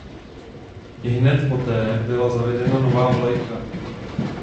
Ihned poté byla zavedena nová vlajka.